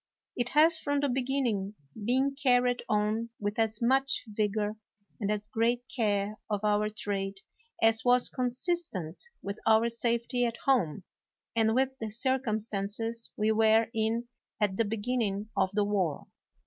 It has from the begin ning been carried on with as much vigor and as great care of our trade as was consistent with our safety at home and with the circumstances we were in at the beginning of the war.